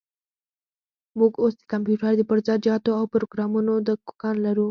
موږ اوس د کمپيوټر د پرزه جاتو او پروګرامونو دوکان لري.